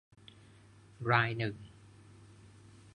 รายหนึ่ง